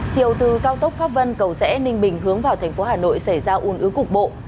chiều từ cao tốc pháp vân cầu rẽ ninh bình hướng vào thành phố hà nội xảy ra ủn ứ cục bộ